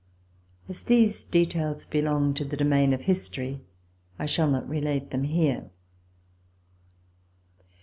As these details belong to the domain of history, I shall not relate them here.